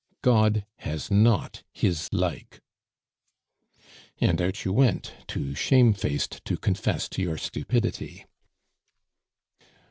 God has not His like." And out you went, too shamefaced to confess to your stupidity.